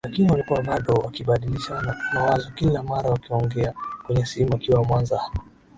Lakini walikuwa bado wakibadilishana mawazo kila mara wakiongea kwenye simu akiwa Mwanza